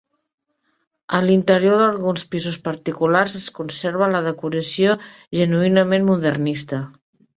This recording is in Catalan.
En l'interior d'alguns pisos particulars es conserva la decoració genuïnament modernista.